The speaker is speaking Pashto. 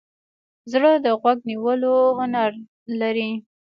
زړه د غوږ نیولو هنر لري.